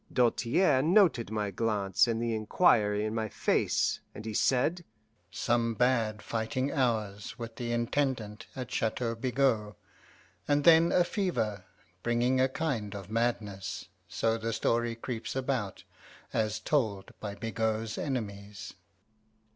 Doltaire noted my glance and the inquiry in my face, and he said: "Some bad fighting hours with the Intendant at Chateau Bigot, and then a fever, bringing a kind of madness: so the story creeps about, as told by Bigot's enemies."